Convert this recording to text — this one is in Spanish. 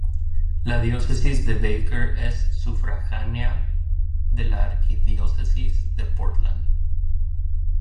La Diócesis de Baker es sufragánea de la Arquidiócesis de Portland.